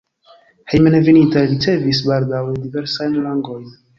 Hejmenveninta li ricevis baldaŭe diversajn rangojn.